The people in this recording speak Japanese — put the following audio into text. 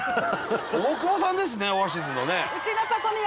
大久保さんですねオアシズのね。